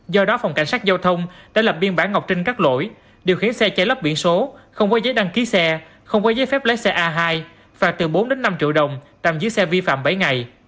do đó phòng cảnh sát giao thông đã lập biên bản ngọc trinh cắt lỗi điều khiển xe chạy lấp biển số không có giấy đăng ký xe không có giấy phép lái xe a hai phạt từ bốn năm triệu đồng tạm giữ xe vi phạm bảy ngày